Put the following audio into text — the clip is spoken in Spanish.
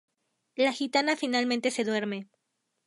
La gitana finalmente se duerme.